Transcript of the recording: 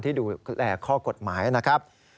ที่ดูแลข้อกฎหมายนะครับ